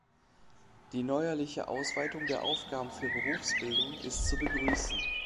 Die neuerliche Ausweitung der Aufgaben für Berufsbildung ist zu begrüßen.